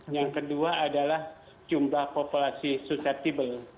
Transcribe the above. yang kedua adalah jumlah populasi susceptible